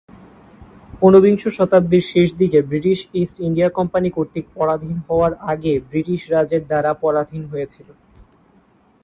উনবিংশ শতাব্দীর শেষদিকে ব্রিটিশ ইস্ট ইন্ডিয়া কোম্পানি কর্তৃক পরাধীন হওয়ার আগে ব্রিটিশ রাজ এর দ্বারা পরাধীন হয়েছিল।